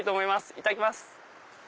いただきます。